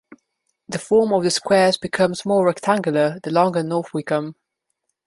The form of the squares becomes more rectangular the longer north we come.